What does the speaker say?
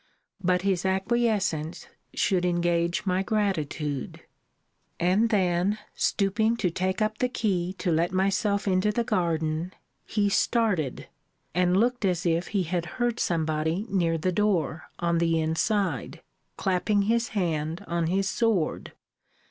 But his acquiescence should engage my gratitude. And then stooping to take up the key to let myself into the garden, he started, and looked as if he had heard somebody near the door, on the inside; clapping his hand on his sword.